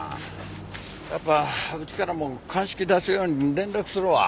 やっぱうちからも鑑識出すように連絡するわ。